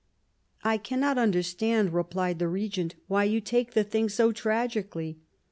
" I cannot understand," replied the Regent, " why you take the thing so tragically.